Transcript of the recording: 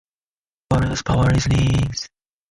They have also appeared in various power listings.